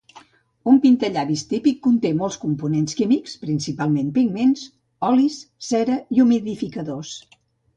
Un pintallavis típic conté molts components químics, principalment pigments, olis, cera i humidificadors.